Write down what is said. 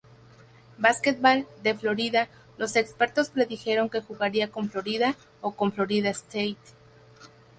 Basketball" de Florida, los expertos predijeron que jugaría con Florida o con Florida State.